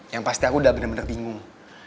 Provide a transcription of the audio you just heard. yang pasti aku udah bener bener bingung